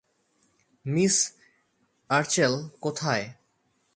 Miss Rachel কোথায়?